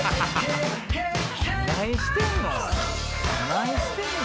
何してんの？